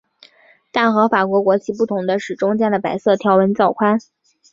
但和法国国旗不同的是中间的白色条纹较宽。